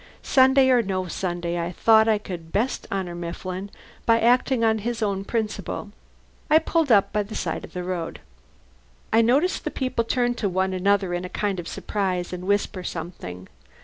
Sunday or no Sunday, I thought I could best honour Mifflin by acting on his own principle. I pulled up by the side of the road. I noticed the people turn to one another in a kind of surprise, and whisper something.